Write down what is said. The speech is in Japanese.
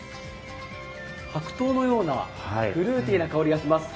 白桃のような、フルーティーな香りがします。